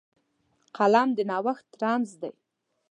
قلم د نوښت رمز دی